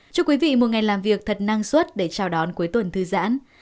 chúc quý vị một ngày làm việc thật năng suất để chào đón cuối tuần thư giãn